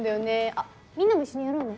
あっみんなも一緒にやろうね。